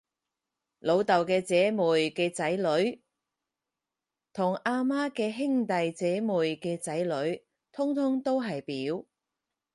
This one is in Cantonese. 老豆嘅姐妹嘅仔女，同阿媽嘅兄弟姐妹嘅仔女，通通都係表